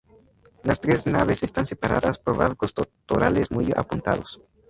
Las tres naves están separadas por arcos torales muy apuntados.